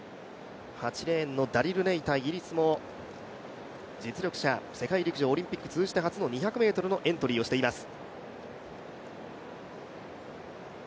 ８レーンのダリル・ネイタ、イギリスも実力者、世界陸上、オリンピック通じて初の２００ｍエントリーをしています。